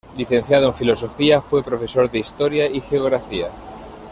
Licenciado en Filosofía, fue profesor de Historia y Geografía.